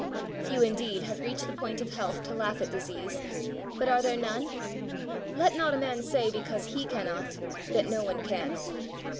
Few indeed have reached the point of health to laugh at disease, but are there none? Let not a man say because he cannot that no one can.